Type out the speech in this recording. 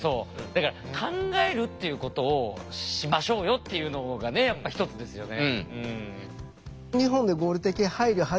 だから考えるっていうことをしましょうよっていうのがやっぱ一つですよね。